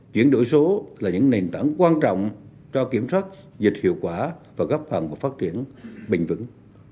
chuyển đổi số là những nền tảng quan trọng cho kiểm soát dịch hiệu quả và góp phần vào phát triển bình vững